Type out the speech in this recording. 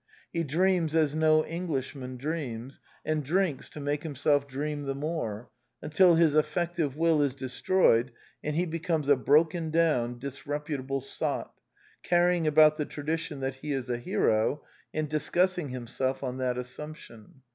He dreams as no Englishman dreams, and drinks to make him self dream the more, until his effective will is destroyed, and he becomes a broken down, dis reputable sot, carrying about the tradition that he is a hero, and discussing himself on that as sumption.